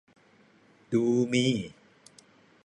ดูมี